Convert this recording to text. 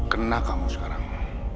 kena kamu sekarang